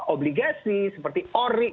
obligasi seperti ori